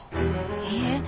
いいえ。